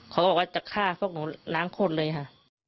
เขาก็บอกว่าจะฆ่าเขาของล้างคนเลยค่ะ